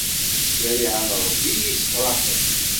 D ccariɛa n Rebbi i iyi-issefraḥen.